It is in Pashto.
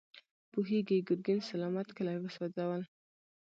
پوهېږې، ګرګين سلامت کلي وسوځول.